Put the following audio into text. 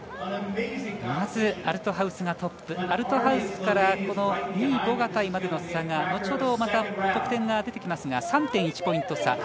まずアルトハウスがトップアルトハウスから２位、ボガタイまでの差が後ほどまた得点が出てきますが３．１ポイント差。